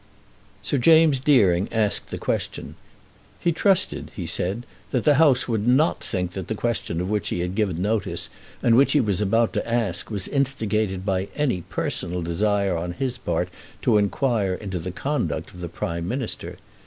Sir James Deering asked the question. "He trusted," he said, "that the House would not think that the question of which he had given notice and which he was about to ask was instigated by any personal desire on his part to inquire into the conduct of the Prime Minister.